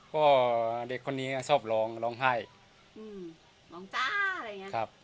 ก็เด็กคนนี้ชอบร้องร้องไห้อืมร้องจ้าอะไรอย่างนี้ครับ